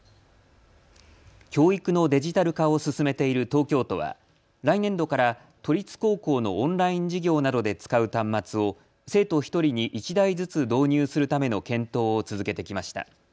教育のデジタル化を進めている東京都は来年度から都立高校のオンライン授業などで使う端末を生徒１人に１台ずつ導入するための検討を続けてきました。